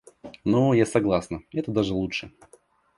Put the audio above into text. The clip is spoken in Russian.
Ну, я согласна, это даже лучше.